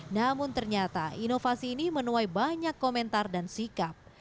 namun ternyata inovasi ini menuai banyak komentar dan sikap